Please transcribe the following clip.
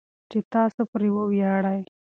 چې تاسو پرې وویاړئ.